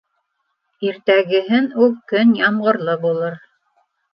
Иртәгеһен үк көн ямғырлы булыр.